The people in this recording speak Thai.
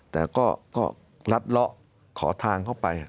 แต่ก็รัดเลาะขอทางเข้าไป